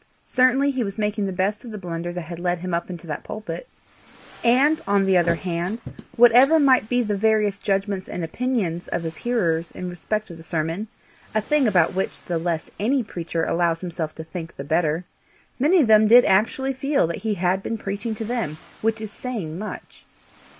Certainly he was making the best of the blunder that had led him up into that pulpit! And on the other hand, whatever might be the various judgments and opinions of his hearers in respect of the sermon a thing about which the less any preacher allows himself to think the better many of them did actually feel that he had been preaching to them, which is saying much.